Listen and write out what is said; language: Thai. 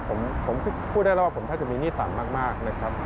ผมพูดได้แล้วว่าผมแทบจะมีหนี้ต่ำมากเลยครับ